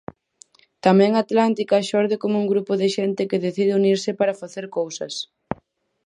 Tamén Atlántica xorde como un grupo de xente que decide unirse para facer cousas.